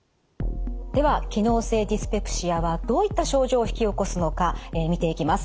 では機能性ディスペプシアはどういった症状を引き起こすのか見ていきます。